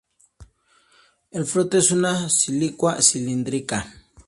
El fruto es una silicua cilíndrica.